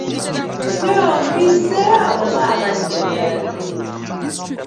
Ggwe ompise oba abadde mulala?